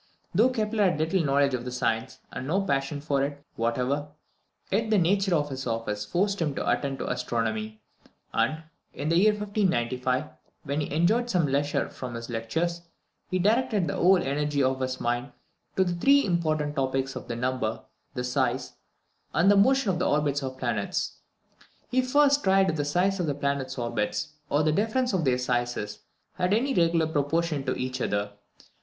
Though Kepler had little knowledge of the science, and no passion for it whatever, yet the nature of his office forced him to attend to astronomy; and, in the year 1595, when he enjoyed some leisure from his lectures, he directed the whole energy of his mind to the three important topics of the number, the size, and the motion of the orbits of the planets. He first tried if the size of the planets' orbits, or the difference of their sizes, had any regular proportion to each other.